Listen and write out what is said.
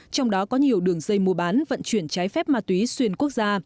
trong đó có nhiều đường dây mua bán vận chuyển trái phép ma túy xuyên quốc gia